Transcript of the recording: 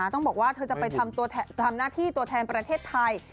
ต้องบอกว่าเธอจะไปทำหน้าที่ตัวแทนประเทศไทย